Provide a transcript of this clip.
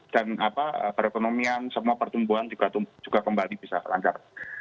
dan apa perekonomian semua pertumbuhan juga kembali bisa langgar